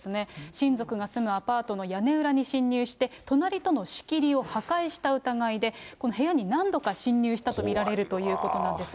親族が住むアパートの屋根裏に侵入して、隣との仕切りを破壊した疑いで、この部屋に何度か侵入したと見られるということなんです。